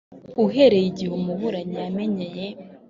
uhereye igihe umuburanyi yamenyeye